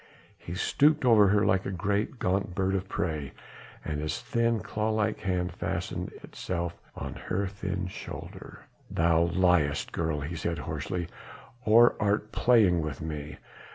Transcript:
He stooped over her like a great, gaunt bird of prey and his thin claw like hand fastened itself on her thin shoulder. "Thou liest, girl," he said hoarsely, "or art playing with me?